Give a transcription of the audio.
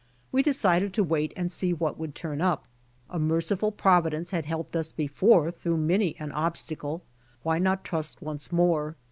.We decided to wait and see what would turn up. A mer ciful providence had helped us before through many an obstacle. Why not trust once more?